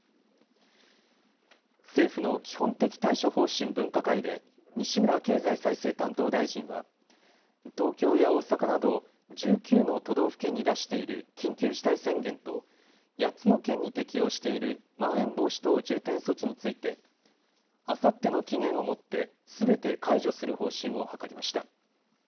政府の基本的対処方針分科会で西村経済再生担当大臣は東京や大阪など１９の都道府県に出している緊急事態宣言と８つの県に適用しているまん延防止等重点措置についてあさっての期限をもってすべて解除する方針を諮りました。